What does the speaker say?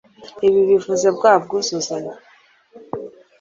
ibi bivuze bwa bwuzuzanye,